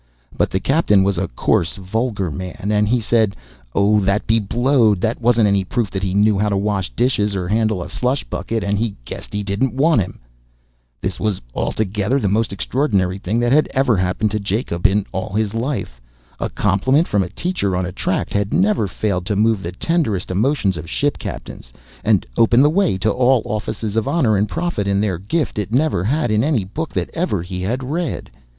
But the captain was a coarse, vulgar man, and he said, "Oh, that be blowed! that wasn't any proof that he knew how to wash dishes or handle a slush bucket, and he guessed he didn't want him." This was altogether the most extraordinary thing that ever happened to Jacob in all his life. A compliment from a teacher, on a tract, had never failed to move the tenderest emotions of ship captains, and open the way to all offices of honor and profit in their gift, it never had in any book that ever HE had read.